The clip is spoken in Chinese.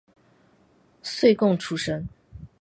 岁贡出身。